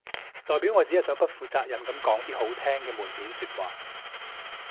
代表我只係想不負責任噉講啲好聽嘅門面說話